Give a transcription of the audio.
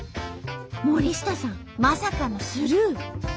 森下さんまさかのスルー。